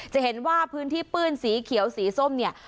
จะเห็นว่าพื้นที่ปื้นสีเขียวสีส้มเนี่ย